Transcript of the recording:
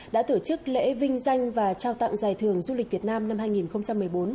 đã tổ chức lễ vinh danh và trao tặng giải thưởng du lịch việt nam năm hai nghìn một mươi bốn